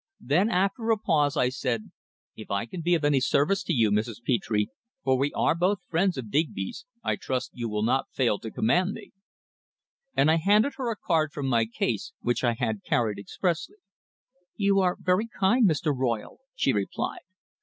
Then, after a pause, I said: "If I can be of any service to you, Mrs. Petre, for we are both friends of Digby's, I trust you will not fail to command me." And I handed her a card from my case, which I had carried expressly. "You are very kind, Mr. Royle," she replied.